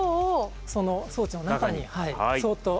その装置の中にそっと。